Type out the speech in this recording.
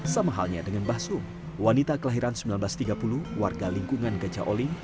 sama halnya dengan mbah sum wanita kelahiran seribu sembilan ratus tiga puluh warga lingkungan gajah oling